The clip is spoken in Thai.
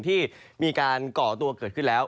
ที่มีการก่อตัวเกิดขึ้นแล้ว